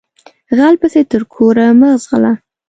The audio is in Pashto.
غل پسې تر کوره مه ځغلهٔ